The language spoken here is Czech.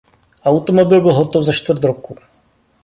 Automobil byl hotov za čtvrt roku.